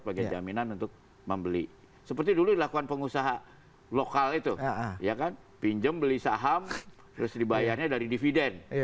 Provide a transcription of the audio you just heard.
bagian jaminan untuk membeli seperti dulu dilakukan pengusaha lokal itu ya kan pinjem beli saham terus dibayarnya dari dividen